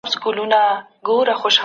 ښه فکر ښه ژوند جوړوي